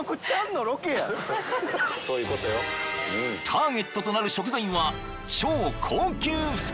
［ターゲットとなる食材は］